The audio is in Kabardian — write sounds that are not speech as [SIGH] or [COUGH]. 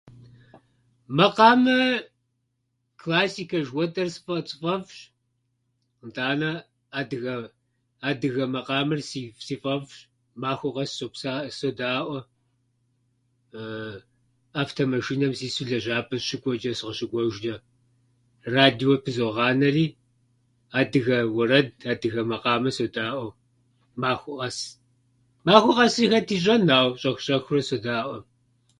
Макъамэ классикэ жыхуэтӏэр сфӏэ- сфӏэфӏщ. Нтӏанэ адыгэ- адыгэ мэкъамэр сиф- си фӏэфӏщ. Махуэ къэс сопса- содаӏуэ. [HESITATION] Автомашынэм сису лэжьапӏэм сыщыкӏуэчӏэ сыкъыщыкъуэжчӏэ, радио пызогъанэри адыгэ уэрэд, адыгэ макъамэ содаӏуэ махуэ къэс. Махуэ къэси хэт ищӏэн, ауэ щӏэхӏ-щӏэхыурэ содаӏуэ.